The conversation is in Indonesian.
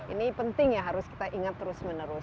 ini penting ya harus kita ingat terus menerus